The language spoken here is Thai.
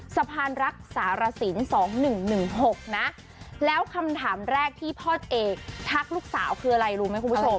สะพานรักษารสิน๒๑๑๖นะแล้วคำถามแรกที่พ่อเอกทักลูกสาวคืออะไรรู้ไหมคุณผู้ชม